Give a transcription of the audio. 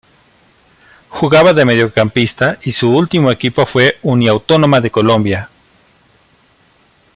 Jugaba de mediocampista y su último equipo fue Uniautónoma de Colombia.